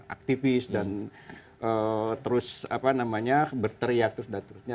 aktivis dan terus berteriak terus dan terusnya